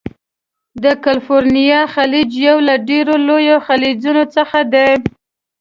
د کلفورنیا خلیج یو له ډیرو لویو خلیجونو څخه دی.